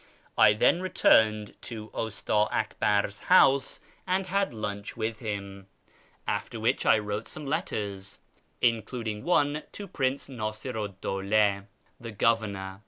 I then returned to Usti'i Akbar's house and had lunch with him, after which I wrote some letters, including one to Prince Niisiru 'd Dawla, the governor.